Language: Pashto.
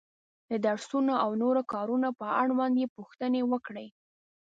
د درسونو او نورو کارونو په اړوند یې پوښتنې وکړې.